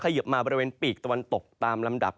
เยิบมาบริเวณปีกตะวันตกตามลำดับ